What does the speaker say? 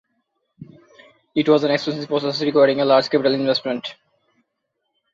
It was an expensive process requiring a large capital investment.